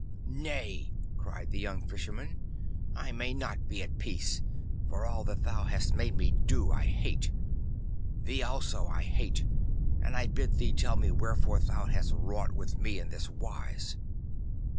'Nay,' cried the young Fisherman, 'I may not be at peace, for all that thou hast made me to do I hate. Thee also I hate, and I bid thee tell me wherefore thou hast wrought with me in this wise.